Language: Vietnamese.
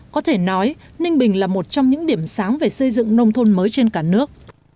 có thể nói ninh bình là một trong những điểm sáng về xây dựng nông thôn mới trên cả nước